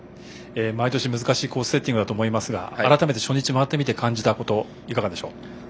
毎年、難しいコースセッティングだと思いますが改めて初日回ってみて感じたこといかがでしょう。